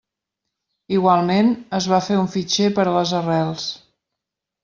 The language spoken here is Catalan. Igualment, es va fer un fitxer per a les arrels.